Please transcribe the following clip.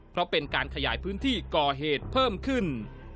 เพราะเป็นการขยายพื้นที่ก่อเหตุเพิ่มขึ้น